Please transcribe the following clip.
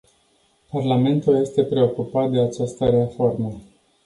Parlamentul este preocupat de această reformă.